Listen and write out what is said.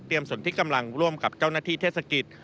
ส่วนที่กำลังร่วมกับเจ้าหน้าที่เทศกิจ